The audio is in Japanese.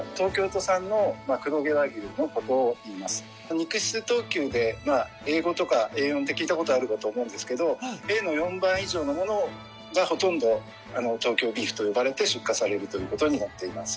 肉質等級でＡ５とかＡ４って聞いた事あるかと思うんですけどＡの４番以上のものがほとんど東京ビーフと呼ばれて出荷されるという事になっています。